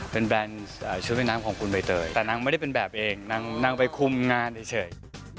เป็นแบรนด์ชุดว่ายน้ำของคุณใบเตยแต่นางไม่ได้เป็นแบบเองนางไปคุมงานเฉย